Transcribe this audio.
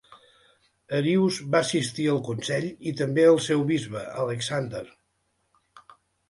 Arius va assistir al consell i també el seu bisbe, Alexander.